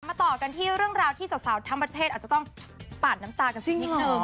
มาต่อกันที่เรื่องราวที่สาวสาวทั้งประเภทาจึงต้องปากน้ำตากันนิดนึง